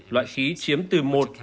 loại khí chiếm từ một đến một mươi